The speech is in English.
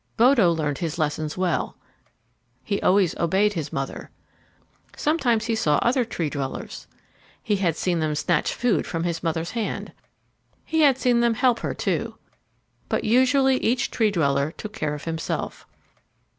Bodo learned his lessons well. He always obeyed his mother. Sometimes he saw other Tree dwellers. He had seen them snatch food from his mother's hand. He had seen them help her, too. But usually each Tree dweller took care of himself.